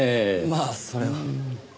まあそれは。